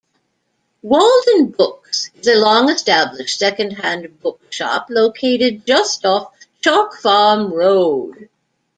Walden Books is a long-established secondhand bookshop located just off Chalk Farm Road.